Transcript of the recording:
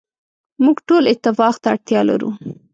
موږ ټول اتفاق ته اړتیا لرو.